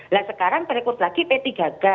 nah sekarang rekrut lagi p tiga g